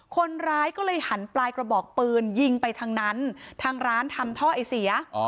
คนร้ายก็เลยหันปลายกระบอกปืนยิงไปทางนั้นทางร้านทำท่อไอเสีย